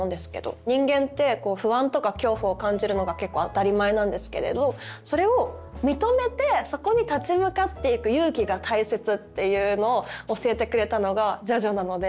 人間ってこう不安とか恐怖を感じるのが結構当たり前なんですけれどそれを認めてそこに立ち向かっていく「勇気」が大切っていうのを教えてくれたのが「ジョジョ」なので。